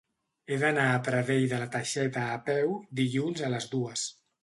He d'anar a Pradell de la Teixeta a peu dilluns a les dues.